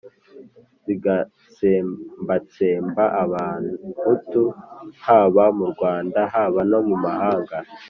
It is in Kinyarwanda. zigatsembatsemba Abahutu haba mu Rwanda haba no mu mahanga,